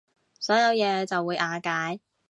所有嘢就會瓦解